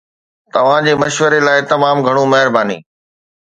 توهان جي مشوري لاء تمام گهڻو مهرباني